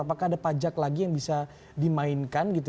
apakah ada pajak lagi yang bisa dimainkan gitu